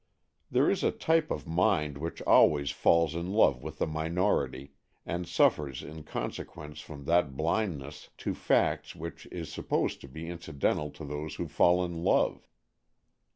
There is a type of mind which always falls in love with the minority, and suffers in con sequence from that blindness to facts which is supposed to be incidental to those who fall in love.